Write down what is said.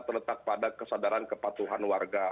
terletak pada kesadaran kepatuhan warga